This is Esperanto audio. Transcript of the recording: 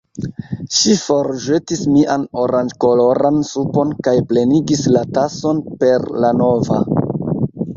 Ŝi forĵetis mian oranĝkoloran supon kaj plenigis la tason per la nova.